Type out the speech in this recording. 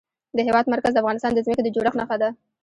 د هېواد مرکز د افغانستان د ځمکې د جوړښت نښه ده.